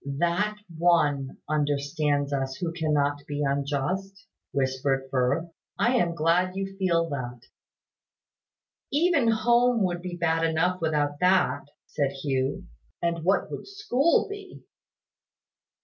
"That One understands us who cannot be unjust!" whispered Firth. "I am glad you feel that." "Even home would be bad enough without that," said Hugh. "And what would school be?"